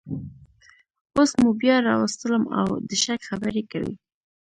اوس مو بیا راوستلم او د شک خبرې کوئ